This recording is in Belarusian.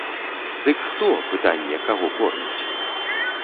Дык хто, пытанне, каго корміць?